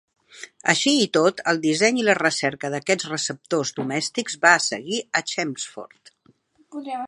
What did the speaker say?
Així i tot, el disseny i la recerca d'aquests receptors domèstics va seguir a Chelmsford.